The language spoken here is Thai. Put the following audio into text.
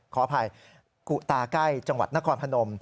ขออภัยกุตาใกล้จังหวัดนครพนม